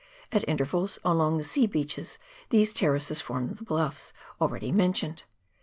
; at intervals along the sea beaches these terraces form the bluffs already mentioned.